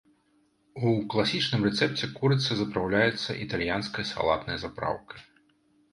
У класічным рэцэпце курыца запраўляецца італьянскай салатнай запраўкай.